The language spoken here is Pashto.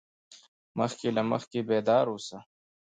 مخکې له مخکې بیدار اوسه.